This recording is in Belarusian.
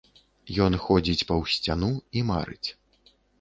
Ён ходзіць паўз сцяну і марыць.